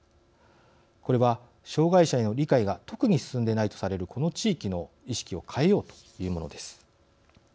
これは、障害者への理解が特に進んでいないとされるこの地域の意識を変えようというものです。